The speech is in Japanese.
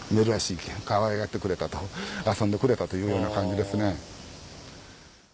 珍しいけんかわいがってくれたと遊んでくれたというような感じですね。